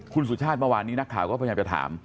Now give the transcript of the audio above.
คุณสุชาติเมื่อวานนี้นักข่าวก็พยายามจะถาม